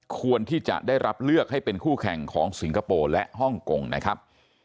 ควรที่จะได้รับเลือกให้เป็นคู่แข่งของสิงคโปร์และฮ่องกงนะครับ